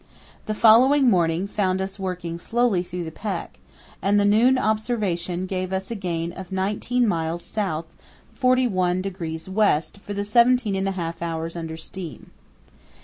The following morning found us working slowly through the pack, and the noon observation gave us a gain of 19 miles S. 41° W. for the seventeen and a half hours under steam.